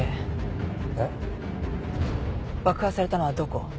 えっ？爆破されたのはどこ？